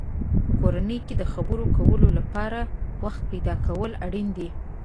په کورنۍ کې د خبرو کولو لپاره وخت پیدا کول اړین دی.